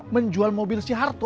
menjual mobil si harto